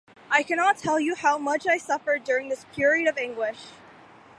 I cannot tell you how much I suffered during this period of anguish.